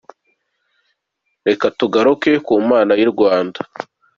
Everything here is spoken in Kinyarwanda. Reka tugaruke ku Mana y’I Rwanda.